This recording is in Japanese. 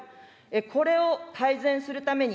これを改善するために、